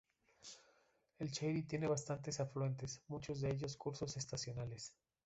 El Chari tiene bastantes afluentes, muchos de ellos cursos estacionales.